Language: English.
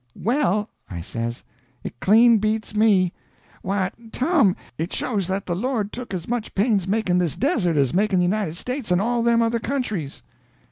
"Well," I says, "it clean beats me. Why, Tom, it shows that the Lord took as much pains makin' this Desert as makin' the United States and all them other countries."